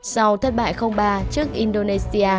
sau thất bại ba trước indonesia